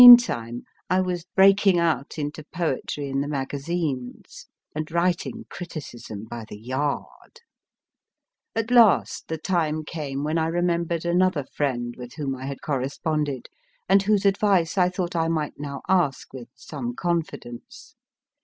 Meantime, I was breaking out into poetry in the magazines, and writing criticism by the yard. At last the time came when I remembered another friend \vith whom 1 had corresponded, and whose advice I thought I might now ask with some con fidence.